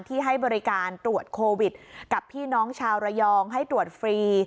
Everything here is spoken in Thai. ให้บริการตรวจโควิดกับพี่น้องชาวระยองให้ตรวจฟรี